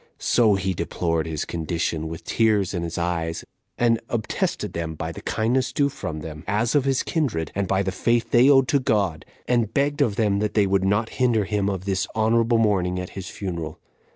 So he deplored his condition, with tears in his eyes, and obtested them by the kindness due from them, as of his kindred, and by the faith they owed to God, and begged of them that they would not hinder him of this honorable mourning at his funeral.